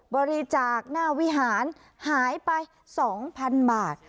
บริจาคหน้าวิหารหายไป๒๐๐๐บาท